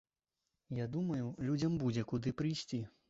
Я думаю, людзям будзе куды прыйсці.